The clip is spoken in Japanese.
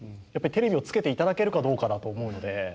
テレビをつけて頂けるかどうかだと思うので。